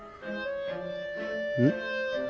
うん？